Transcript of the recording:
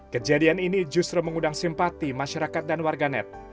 kejadian ini justru mengundang simpati masyarakat dan warganet